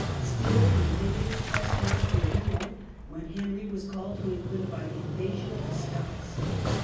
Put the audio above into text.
Still the invaders pressed on to Rouen, when Henry was called to England by the in vasion of the Scots.